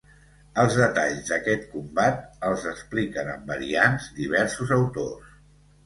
Els detalls d'aquest combat els expliquen amb variants, diversos autors.